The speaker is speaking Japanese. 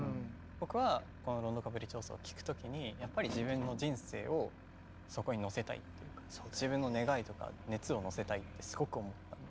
僕はこの「ロンド・カプリチオーソ」を聴くときにやっぱり自分の人生をそこにのせたいっていうか自分の願いとか熱をのせたいってすごく思ったんで。